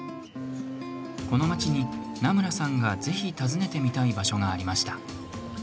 この街に、南村さんがぜひ訪ねてみたい場所がありました。